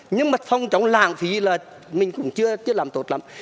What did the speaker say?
nhưng mà phong chống lãng phí là mình cũng chưa làm tốt lắm